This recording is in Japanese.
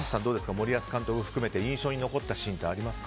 森保監督を含めて印象に残ったシーンはありますか？